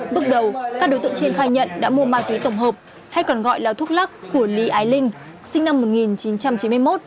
bước đầu các đối tượng trên khai nhận đã mua ma túy tổng hợp hay còn gọi là thuốc lắc của lý ái linh sinh năm một nghìn chín trăm chín mươi một